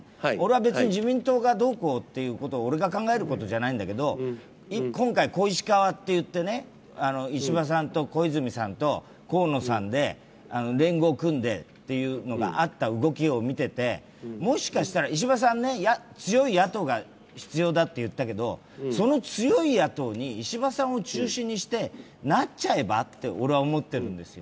別に自民党がどうこうっていうことを俺が考えることじゃないんだけど今回小石河っていって、石破さんと小泉さんと河野さんで連合を組んでっていうのがあった動きを見ててもしかしたら石破さん、強い野党が必要だって言ったけどその強い野党に石破さんを中心にしてなっちゃえばって俺は思ってるんですよ。